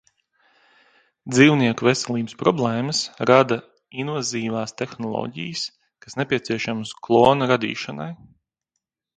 Dzīvnieku veselības problēmas rada invazīvās tehnoloģijas, kas nepieciešamas klona radīšanai.